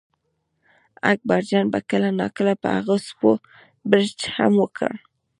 اکبرجان به کله ناکله په هغو سپو بړچ هم وکړ.